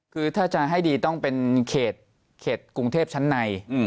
คือถ้าจะให้ดีต้องเป็นเขตกรุงเทพชั้นใน